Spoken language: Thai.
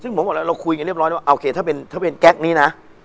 ซึ่งผมบอกแล้วเราคุยกันเรียบร้อยว่าโอเคถ้าเป็นแก๊กนี้นะ